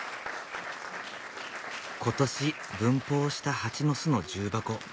今年分蜂したハチの巣の重箱。